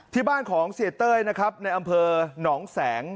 ที่บ้านของเสียเต้ยนะครับในอำเภอหนองแสง